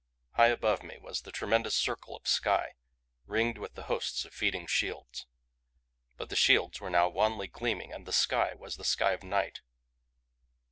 High above me was the tremendous circle of sky, ringed with the hosts of feeding shields. But the shields were now wanly gleaming and the sky was the sky of night.